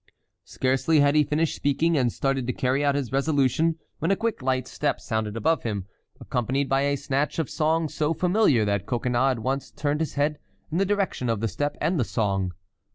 Scarcely had he finished speaking, and started to carry out his resolution, when a quick light step sounded above him, accompanied by a snatch of song so familiar that Coconnas at once turned his head in the direction of the step and the song.